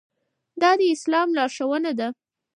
دا د اسلام لارښوونه ده.